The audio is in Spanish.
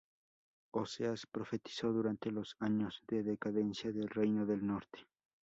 Oseas profetizó durante los años de decadencia del reino del norte.